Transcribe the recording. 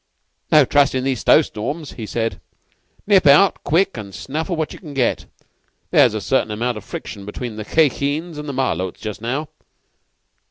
"'No trustin' these snow storms,' he said. 'Nip out quick and snaffle what you can get. There's a certain amount of friction between the Khye Kheens and the Malôts just now.